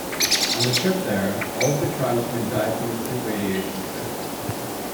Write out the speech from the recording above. On the trip there, all of the tribesmen die from acute radiation sickness.